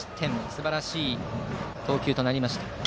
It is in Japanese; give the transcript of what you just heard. すばらしい投球となりました。